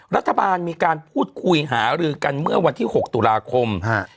รัฐบาลมีการพูดคุยหารือกันเมื่อวันที่๖ตุลาคม